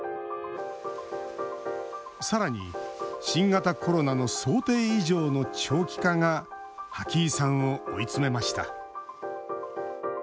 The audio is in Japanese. さらに、新型コロナの想定以上の長期化が波木井さんを追い詰めました。